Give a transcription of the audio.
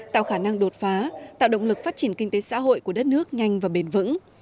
tạo khả năng đột phá tạo động lực phát triển kinh tế xã hội của đất nước nhanh và bền vững